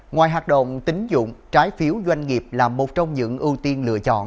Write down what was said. ngoài hoạt động tính dụng trái phiếu doanh nghiệp là một trong những ưu tiên lựa chọn